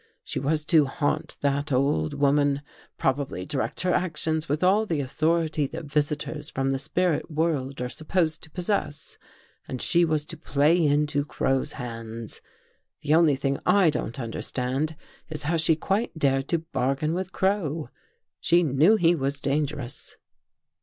She was to haunt that old woman, probably direct her actions with all the authority that visitors from the spirit world are supposed to possess, and she was to play into Crow's hands. The only thing I don't under stand, is how she quite dared to bargain with Crow. She knew he was dangerous."